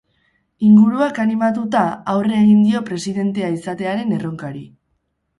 Inguruak animatuta, aurre egin dio presidentea izatearen erronkari.